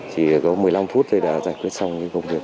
chỉ có một mươi năm phút rồi đã giải quyết xong công việc